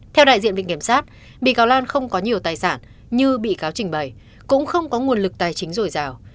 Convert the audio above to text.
theo đại diện viện kiểm soát bị cáo lan không có nhiều tài sản như bị cáo trình bày cũng không có nguồn lực tài chính rồi rào